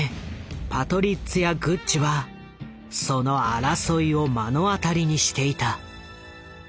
パトリッツィア・グッチはその争いを目の当たりにしていた。